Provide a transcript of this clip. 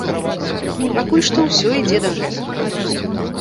Пакуль што ўсё ідзе да гэтага.